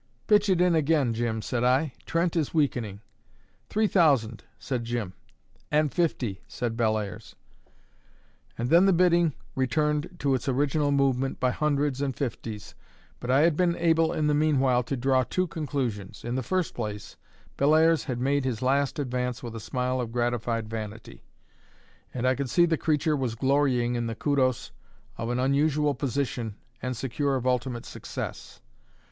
"Pitch it in again, Jim," said I. "Trent is weakening." "Three thousand," said Jim. "And fifty," said Bellairs. And then the bidding returned to its original movement by hundreds and fifties; but I had been able in the meanwhile to draw two conclusions. In the first place, Bellairs had made his last advance with a smile of gratified vanity; and I could see the creature was glorying in the kudos of an unusual position and secure of ultimate success.